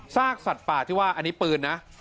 สัตว์ป่าที่ว่าอันนี้ปืนนะ